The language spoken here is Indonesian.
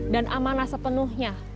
dan amanah sepenuhnya